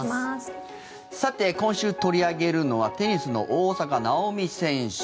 さて、今週取り上げるのはテニスの大坂なおみ選手。